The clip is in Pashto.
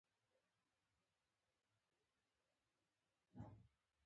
هغه خو داسې انسان وو چې وييل به يې